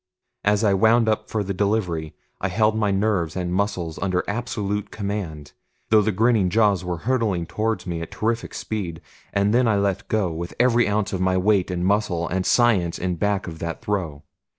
As I wound up for the delivery, I held my nerves and muscles under absolute command, though the grinning jaws were hurtling toward me at terrific speed. And then I let go, with every ounce of my weight and muscle and science in back of that throw.